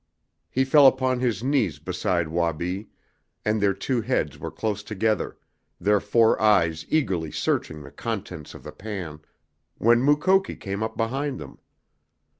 He fell upon his knees beside Wabi, and their two heads were close together, their four eyes eagerly searching the contents of the pan, when Mukoki came up behind them.